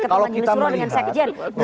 ketua majelis suroh dengan sekjen